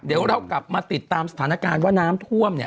เดี๋ยวเรากลับมาติดตามสถานการณ์ว่าน้ำท่วมเนี่ย